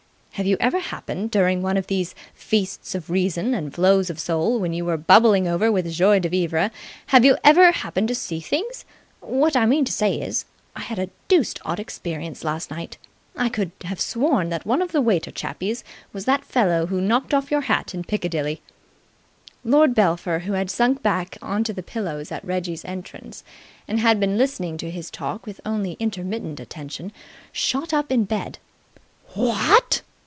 Have you ever happened, during one of these feasts of reason and flows of soul, when you were bubbling over with joie de vivre have you ever happened to see things? What I mean to say is, I had a deuced odd experience last night. I could have sworn that one of the waiter chappies was that fellow who knocked off your hat in Piccadilly." Lord Belpher, who had sunk back on to the pillows at Reggie's entrance and had been listening to his talk with only intermittent attention, shot up in bed. "What!"